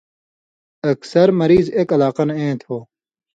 اکثر مریض اېک علاقہ نہ اېں تھو۔